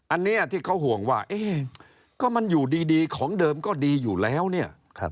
อันนี้ที่เขาห่วงว่าก็มันอยู่ดีของเดิมก็ดีอยู่แล้วเนี่ย